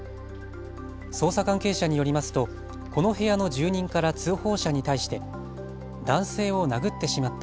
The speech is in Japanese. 捜査関係者によりますとこの部屋の住人から通報者に対して男性を殴ってしまった。